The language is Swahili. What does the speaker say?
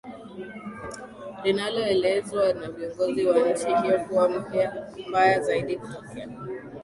linaloelezwa na viongozi wa nchi hiyo kuwa mbaya zaidi kutokea